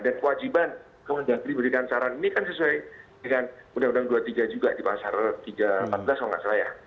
dan kewajiban kalau diberikan saran ini kan sesuai dengan uu dua puluh tiga juga di pasar tiga ratus empat belas kalau tidak salah ya